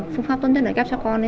phương pháp tốt nhất để ghép cho con